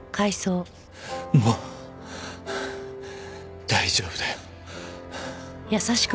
もう大丈夫だよ。